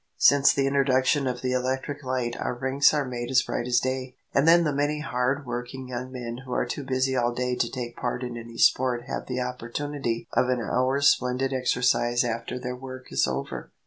Since the introduction of the electric light our rinks are made as bright as day, and then the many hard working young men who are too busy all day to take part in any sport have the opportunity of an hour's splendid exercise after their work is over.